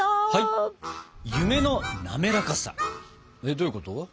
どういうこと？